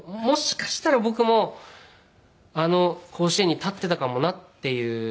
もしかしたら僕もあの甲子園に立ってたかもなっていう。